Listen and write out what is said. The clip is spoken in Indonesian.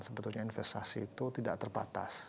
sebetulnya investasi itu tidak terbatas